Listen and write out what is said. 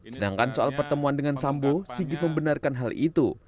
sedangkan soal pertemuan dengan sambo sigit membenarkan hal itu